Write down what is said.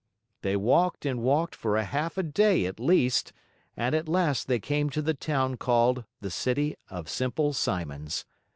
They walked and walked for a half a day at least and at last they came to the town called the City of Simple Simons.